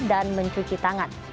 dan mencuci tangan